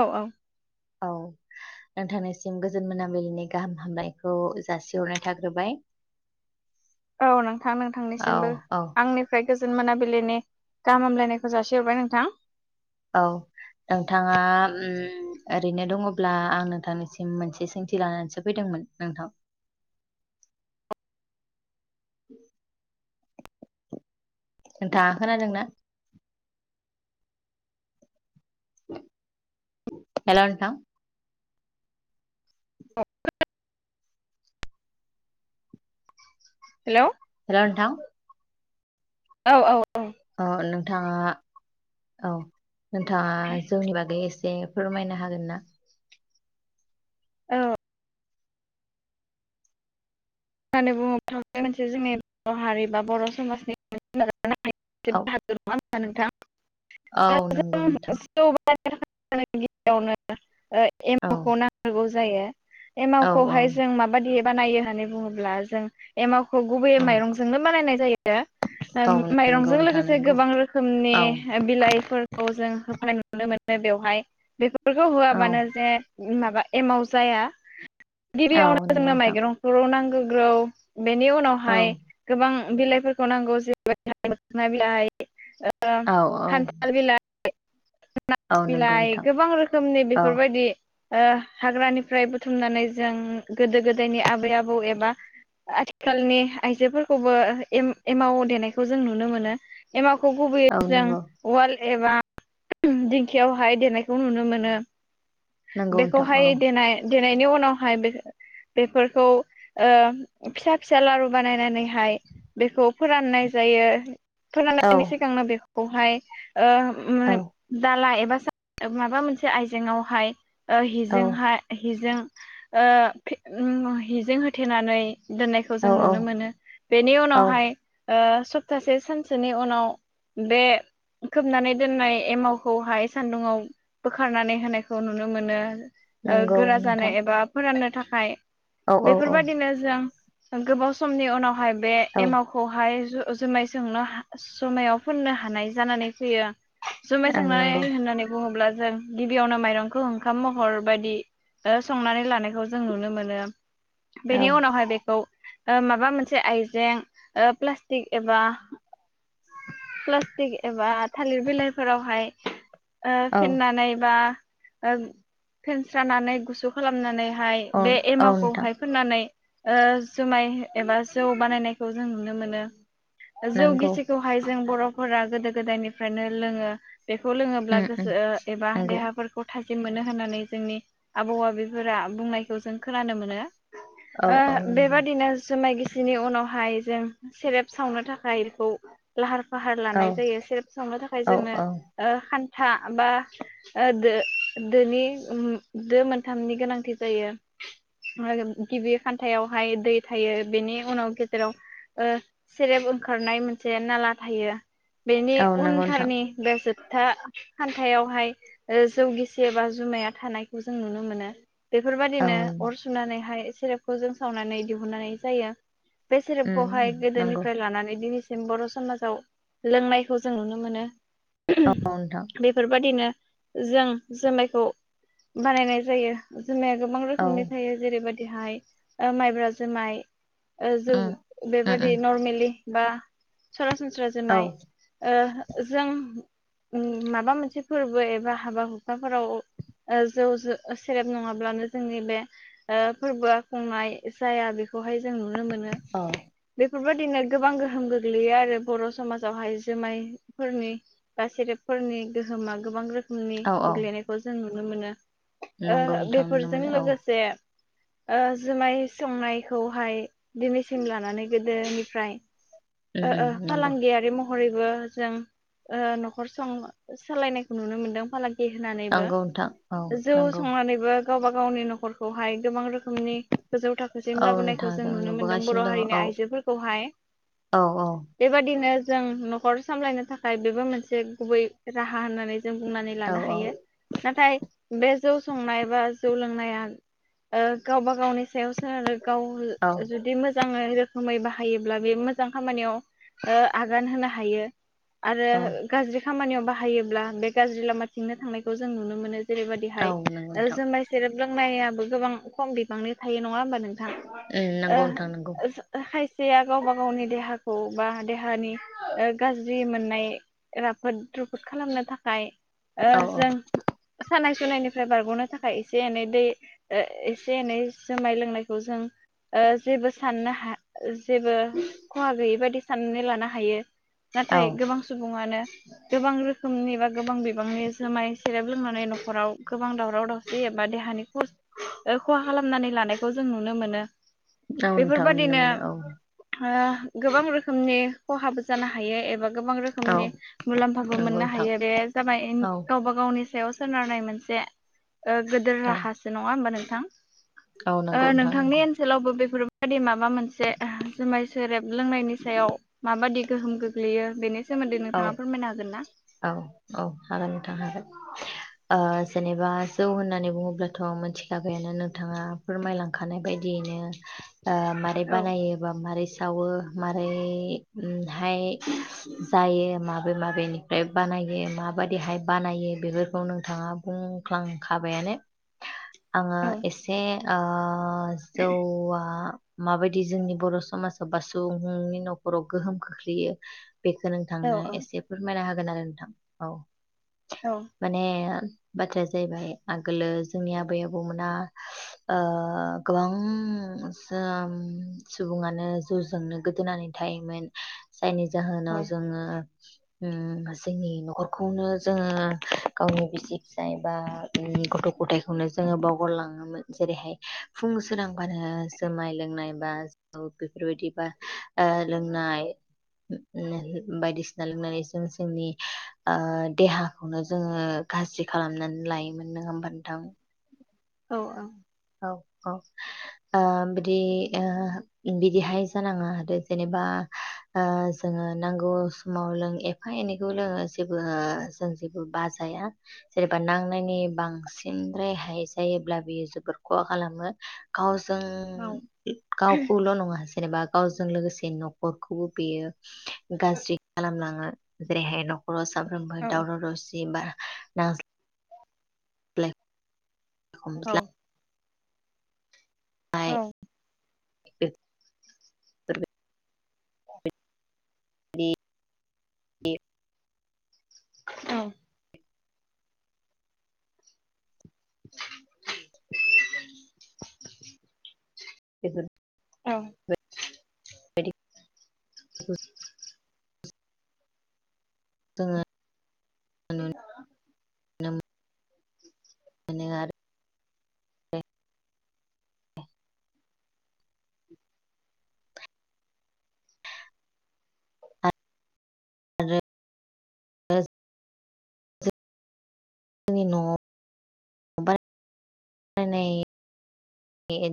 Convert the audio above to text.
औ औ। औ। नोंथांनिसिम गोजोन मोनाबिलिनि गाहाम हामनायखौ जासिहरनाय थाग्रोबाय। औ नोंथां औ नोंथांनिसिमबो औ आंनिफ्राय गोज ओन मोनाबिलिनि गाहाम हामलायनायखौ जासिहरबाय नोंथां। औ। नोंथाङा उम ओरैनो दङ'ब्ला आं नोंथांनिसिम मोनसे सोंथि लानानैसो फैदों मोन नोंथां। [inaudible] नोंथाङा खोनादों ना? हेल' नोंथां। [unintelligible] हेल'? हेल' नोंथां? औ औ। औ नोंथाङा औ नोंथाङा जौनि बागै एस ए फोरमायनो हागोन ना? औ। होननानै बुङोब्ला [unintelligible] मोनसे जोंनि बर' हारि बा बर' समाजनि [unintelligible] औ [unintelligible] नोंथां औ नंगौ नोंथां [unintelligible] [unintelligible] गिबियावनो ओ औ एमावखौ [unintelligible] जायो। औ औ एमावखौहाय जों माबादि बानायो होननानै बुङोब्ला जों एमाव खौ गुबैयै औ माइरंजोंनो बानायनाय जायो। औ उम नंगौ माइरंजों नोंथां लोगोसे नंगौ गोबां रोखोमनि औ बिलाइफोरखौ जों होफानाय नुनो मोनो बेवहाय। बेफोरखौ औ होआबानो जे माबा एमाव जाया। औ गिबियावनो नंगौ जोंनो नोंथां माइग्रंखौ नांगोगौ बेनि औ उनावहाय गोबां बिलाइफोरखौ नांगौ जेरैबाय [unintelligible] मोखना बिलाइ ओ औ औ खान्थाल बिलाइ औ आनारस नंगौ बिलाइ नोंथां गोबां रोखोमनि औ बेफोरबायदि ओ हाग्रानिफ्राय बुथुमनानै जों गोदो गोदायनि आबै आबौ एबा आथिखालनि आइजोफोरखौबो एम-एमाव देनायखौ जों नुनो मोनो। एमाव खौ गुबैयै औ जों नंगौ उवाल एबा दिंखियावहाय देनायखौ नुनो मोनो। नंगौ नोंथां औ बेखौहाय देनाय देनायनि उनावहाय बे बेफोरखौ ओ फिसा फिसा लारु बानायनानै हाय बेखौ फोराननाय जायो। औ फोराननायनि सिगांनो बेखौहाय ओ औ [unintelligible] दाला एबा सा माबा मोनसे आयजेंआवहाय ओ औ हिजोंहाय हिजों ओ [unintelligible] हिजों होथेनानै दोननायखौ औ जों औ नुनो मोनो। बेनि औ उनावहाय ओ सप्तासे सानसेनि उनाव बे खोबनानै दोननाय एमावखौहाय सान्दुङाव बोखारनानै होनायखौ नुनो मोनो। ओ नंगौ गोरा नोंथां जानो एबा फोराननो थाखाय औ औ औ बेफोरबायदिनो जों गोबाव समनि उनावहाय बे औ एमावखौहाय जु जुमाय सोंनो जुमायाव फोननो हानाय जानानै फैयो। जुमाय आं सोंनाय नंगौ होननानै बुङोब्ला जों गिबियावनो माइरंखौ ओंखाम महर बायदि ओ संनानै लानायखौ जों नुनो मोनो। औ बेनि उनावहाय बेखौ ओ माबा मोनसे आयजें ओ प्लास्टिक एबा प्लास्टिक एबा थालिर बिलाइफोरावहाय ओ औ फेननानै बा ओ फेनस्रानानै गुसु खालामनानै हाय औ बे औ नोंथां एमावखौहाय फुननानै ओ जुमाय एबा जौ बानायनायखौ जों नुनो मोनो। जौ नंगौ गिसिखौहाय जों बर'फोरा गोदो गोदायनिफ्रायनो लोङो। बेखौ लोङोब्ला उम उम गोसो एबा नंगौ देहाफोरखौ थाजि जिम मोनो होननानै जोंनि आबौ आबैफोरा बुंनायखौ जों खोनानो मोनो। औ ओ औ नंगौ बेबादिनो जुमाय गि सिनि उनावहाय जों सेरेब सावनो थाखाय बेखौ लाहार फाहार औ लानाय जायो सेरेब सावनो थाखाय औ जोंनो औ ओ खान था बा ओ दो-दोनि ओम दो मोनथामनि गोनांथि जायो। [unintelligible] गिबि खान्थायावहाय दै थायो बेनि उनाव गेजेराव ओ सेरेब ओंखारनाय मोनसे नाला थायो। बेनि औ नंगौ नोंथां उनथारनि बे जोब था खान्थायावहाय ओ जौ गिसि एबा जुमाया थानायखौ जों नुनो मोनो। औ बेफोरबादिनो अर सुनानैहाय सेरेबखौ जों सावनानै दिहुननाय जायो। बे उम सेरेबखौहाय नंगौ गोदोनिफ्राय लानानै दिनैसि- सिम बर' समाजाव लोंनायखौ जों नुनो मोनो। औ नोंथां [unintelligible] बेफोरबादिनो जों जुमायखौ बानायनाय जायो। जुमाया गोबां औ रोखोमनि थायो जेरैबा दिहाय ओ माइब्रा जुमाय ओ जौ उम उम बेबादि उम नरमेलि बा सरासनस्रा औ जोमाय ओ जों उम माबा मोनसे फोरबो एबा हाबा हुखाफोराव ओ जौ ज- सेरेब नङाब्लानो जोंनि बे ओ फोरबोआ खुंनाय जाया बेखौहाय जों नुनो मोनो। औ बे बेफोरबायदिनो गोबां गोहोम गोग्लैयो आरो बर' समाजावहाय जुमायफोरनि बा सेरेबफोर- [unintelligible] गोहोमा गोबां रोखोमनि औ औ गोग्लैनायखौ जों नुनो मोनो। ओ नंगौ नोंथां नुनो बेफोरजों मोनो औ लोगोसे ओ जुमाय संनायखौहाय दिनैसिम लानानै गोदोनिफ्राय उम ओ उम ओ नंगौ फालांगियारि [unintelligible] [unintelligible] जों ओ न'खर सं सालायनायखौ नुनो मोनदों फालांगि होनानैबो नंगौ नोंथां औ जौ नंगौ संनानैबो गावबा- गावनि न'खरखौहाय गोबां [unintelligible] [unintelligible] गोजौ थाखोसिम औ लाबोनायखौ नोंथां जों नुनो मोनदों बर' नुबोगासिनो दङ हारिनि औ आइजोफोरखौहाय औ बेबादिनो जों न'खर सामलायनो थाखाय बेबो मोनसे गुबै राहा होननानै जों बुंनानै औ लानो हायो नाथाय बे जौ संनाय बा जौ लोंनाया ओ गावबा -गावनि सायावसो आरो गाव औ जुदि मोजाङै रोखोमै बाहायोब्ला बे मोजां खामानियाव ओ आगान होनो हायो आरो औ गाज्रि खामानियाव बाहायोब्ला बे गाज्रि लामाथिंनो थांनायखौ जों नुनो मोनो। औ जेरैबायदिहाय नंगौ नोंथां जुमाइ सेरेब लोंनायाबो गोबां खम बिबांनि थायो। नङा होनबा नोंथां उम ओ नंगौ नोंथां नंगौ खायसेया गावबा- गावनि देहाखौ बा देहानि गाज्रि मोननाय राफोद रुफुद खालामनो थाखाय ओ औ जों सानाय- सुनायनिफ्राय बारग'नो [unintelligible] एसे- एनै दै [unintelligible] एसे -एनै जोमाय लोंनायखौ जों ओ जेबो साननो हाया। जेबो खहा गैयै बादि साननानै लानो हायो। औ नाथाय गोबां सुबुङानो गोबां रोखोमनि बा गोबां बिबांनि जोमाय सेरेब लोंनानै न'खराव गोबां दावराव -दावसि एबा देहानि खस्थ' खहा खालामनानै लानायखौ जों नुनो मोनो। औ नोंथां नुनो बेफोरबादिनो मोनो औ गोबां ओ रोखोम रोखोमनि खहाबो जानो हायो एबा गोबां औ रोखोमनि मुलाम्फाबो नंगौ मोननो नोंथां हायो बे जाबाय औ गावबा -गावनि सायाव सोनारनाय मोनसे ओ गोदिर औ राहासो नङा होमबा नोंथां? औ ओ नंगौ नोंथां नोंथांनि नंगौ ओनसोलावबो बेफोर माबादि माबा मोनसे जुमाय सेरेब लोंनायनि सायाव माबादि गोहोम गोग्लैयो। बेनि सोमोन्दै औ नोंथाङा फोरमायनो हागोन ना? औ औ हागोन नोंथां हागोन। ओ जेनेबा जौ होननानै बुङोब्लाथ' मिथिखाबायानो नोंथाङा फोरमायलांखानाय बायदि बिदिनो ओ माबारै औ बानायो बा माबारै सावो मारैहाय जायो माबे माबेनिफ्राय बानायो माबायदिहाय बानायो बेफोरखौ नोंथाङा बुङो [unintelligible] आङो औ एसे ओ जौआ माबायदि जोंनि बर' समाजाव बा सुबुंनि न'खराव गोहोम [unintelligible] [unintelligible] बेखौ औ नोंथांनो एसे फोरमायना होगोन आरो नोंथां औ औ माने बाथ्राया जाहैबाय आगोलो जोंनि आबै -आबौमोना ओ गोबां सुबुङानो जौ जोंनो गोदोनानै थायोमोन जायनि जाहोनाव औ जोङो उम जोंनि न'खरखौनो जोङो गावनि बिसि -फिसाय बा गथ' -गथायखौनो जोङो बावगारलाङोमोन जेरैहाय फुं सोरां बारा जोमाय लोंनाय बा [unintelligible] बेफोरबायदिबा लोंनाय बायदिसिना लोंनानै जों जोंनि ओ देहाखौनो जोङो गाज्रि खालामनानै लायोमोन नोंङा होमबा नोंथां? औ औ औ औ ओ बिदि ओ बिदिहाय जानाङा आरो जेनेबा ओ जों नांगौ समाव लों एफा एनैखौ लोङो जेबो जों जेबो बाजाया जेनेबा नांनायनि बांसिन रेहाय जायोब्ला बियो जोबोर खहा खालामो गावजों औ गावखौल' नङा जेनेबा गावजों लोगोसे न'खरखौबो बेयो गाज्रि खालामलाङो जेरैहाय न'खराव साबफ्रोमबो दावराव दावसि बा नां [unintelligible] औ हमस्लाब [unintelligible] औ [unintelligible] [unintelligible] दे दे औ [unintelligible] बेफोर औ बायदि जोङो नुनो मोनो [unintelligible] मोनो आरो [unintelligible] आरो जों [unintelligible] जोंनि न' ओमफाय माने [unintelligible] ए ए